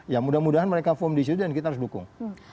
ya mudah mudahan mereka form disitu dan kita harus dukung